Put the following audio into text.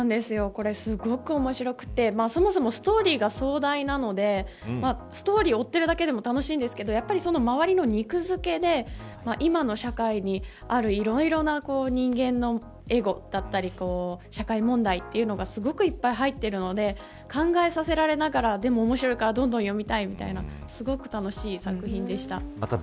これすごく面白くて、そもそもストーリーが壮大なのでストーリーを追っているだけでも楽しいんですけどそのまわりの肉づけで今の社会にある、いろいろな人間のエゴだったり社会問題というのが、すごくいっぱい入っているので考えさせられながらでも、おもしろいからどっぷり読みたいとすごく楽しい作品でした。